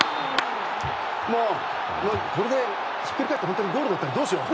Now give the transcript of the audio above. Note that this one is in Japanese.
これでひっくり返って本当にゴールだったらどうしよう。